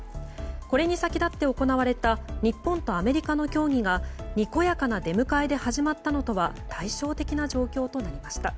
これに先立って行われた日本とアメリカの協議がにこやかな出迎えで始まったのとは対照的な状況となりました。